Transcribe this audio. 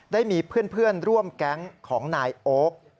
ได้มีเพื่อนร่วมแก๊งของนายโอ๊ค